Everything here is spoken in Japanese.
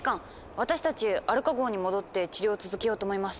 私たちアルカ号に戻って治療を続けようと思います。